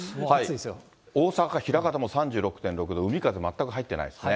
大阪・枚方も３６．６度、海風全く入ってないですね。